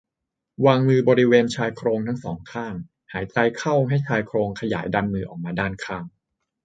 วางมือบริเวณชายโครงทั้ง สอง ข้าง หายใจเข้าให้ชายโครงขยายดันมือออกมาด้านข้าง